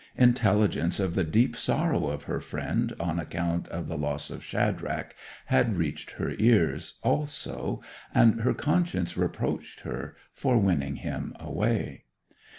Intelligence of the deep sorrow of her friend on account of the loss of Shadrach had reached her ears also, and her conscience reproached her for winning him away.